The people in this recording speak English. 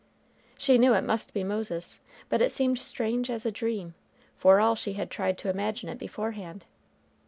She knew it must be Moses, but it seemed strange as a dream, for all she had tried to imagine it beforehand.